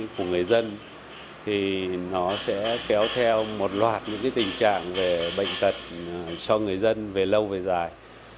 của người dân thì nó sẽ kéo theo một loạt những tình trạng về bệnh tật cho người dân về lâu về dài